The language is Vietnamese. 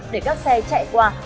để các xe chạy qua